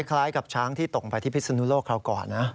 คล้ายกับช้างที่ตกไปที่พิศนุโลกคราวก่อนนะ